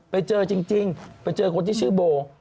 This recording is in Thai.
ไปเจอจริงไปเจอคนที่ชื่อโบ